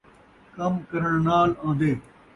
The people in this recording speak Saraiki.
کم کرݨ نال آن٘دے